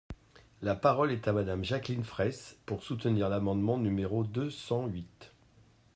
La parole est à Madame Jacqueline Fraysse, pour soutenir l’amendement numéro deux cent huit.